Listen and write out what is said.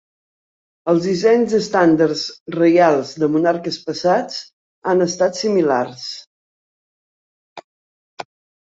Els dissenys d'estàndards reials de monarques passats han estat similars.